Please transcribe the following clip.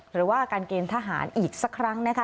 หรือว่าการเกณฑ์ทหารอีกสักครั้งนะคะ